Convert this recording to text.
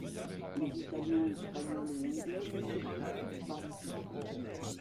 Les Italiens, Espagnols ou Anglais ne se bousculent pas.